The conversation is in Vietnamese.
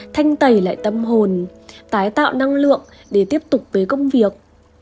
thanh tẩy lại tâm hồn tái tạo năng lượng để tiếp tục với công việc